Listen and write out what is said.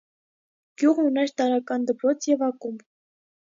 Գյուղն ուներ տարրական դպրոց և ակումբ։